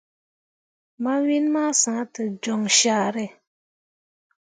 Ma win ma sah te jon carré.